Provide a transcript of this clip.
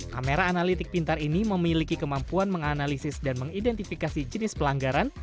kamera analitik pintar ini memiliki kemampuan menganalisis dan mengidentifikasi jenis pelanggaran